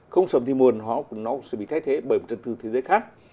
không sớm thì muộn họ cũng nó sẽ bị thay thế bởi một trật tự thế giới khác